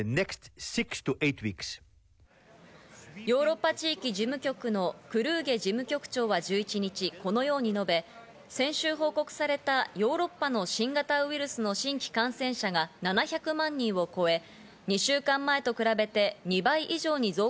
ヨーロッパ地域事務局のクルーゲ事務局長は１１日このように述べ、先週報告されたヨーロッパの新型ウイルスの新規感染者が７００万人を超え、